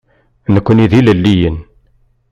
Nekkni d ilelliyen.